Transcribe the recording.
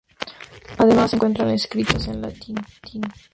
Además, se encuentran escritos en latín.